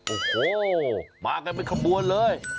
โอ้โหมากันเป็นขบวนเลย